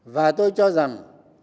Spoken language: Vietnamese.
và tôi cho rằng